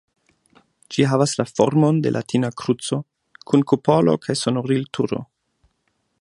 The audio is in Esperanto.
Ĝi havas la formon de latina kruco, kun kupolo kaj sonorilturo.